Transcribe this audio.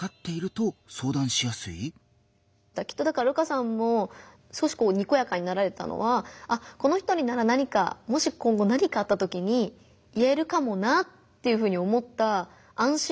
きっとだから瑠花さんも少しにこやかになられたのはこの人になら何かもし今後何かあったときに言えるかもなっていうふうに思った安心の笑顔だったと思うので。